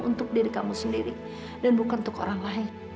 untuk diri kamu sendiri dan bukan untuk orang lain